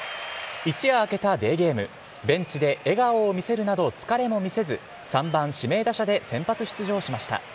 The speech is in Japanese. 一夜明けたデーゲーム、ベンチで笑顔を見せるなど疲れも見せず、３番指名打者で先発出場しました。